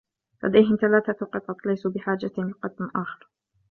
لديهم ثلاثة قطط ، ليسوا بحاجة لقط آخر.